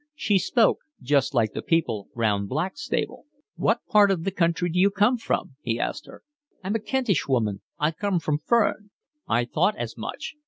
She spoke just like the people round Blackstable. "What part of the country d'you come from?" he asked her. "I'm a Kentish woman. I come from Ferne." "I thought as much.